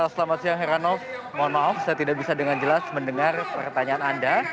selamat siang heranov mohon maaf saya tidak bisa dengan jelas mendengar pertanyaan anda